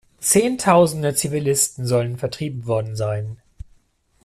Zehntausende Zivilisten sollen vertrieben worden sein.